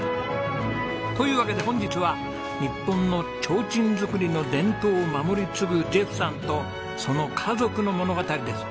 というわけで本日は日本の提灯作りの伝統を守り継ぐジェフさんとその家族の物語です。